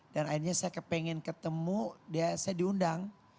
dan akhirnya saya kepengen ketemu dia saya diundang